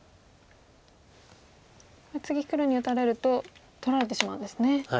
次黒に打たれると取られてしまうんですね。